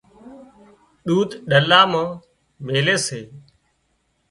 ۮود ڏلا مان ميلي سي